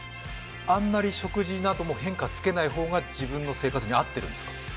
あんまり食事なども変化つけない方が自分の生活に合っているんですか？